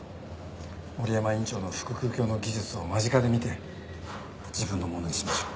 森山院長の腹腔鏡の技術を間近で見て自分のものにしましょう。